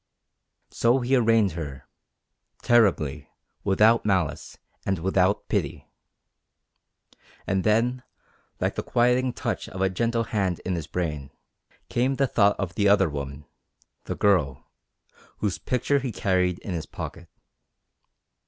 So he arraigned her, terribly, without malice, and without pity. And then, like the quieting touch of a gentle hand in his brain, came the thought of the other woman the Girl whose picture he carried in his pocket.